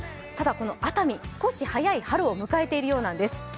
ただ、この熱海、少し早い春を迎えているようなんです。